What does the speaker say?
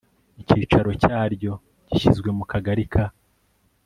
icyicaro cyaryo gishyizwe mu kagari ka